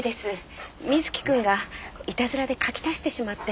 瑞貴くんがいたずらで書き足してしまって。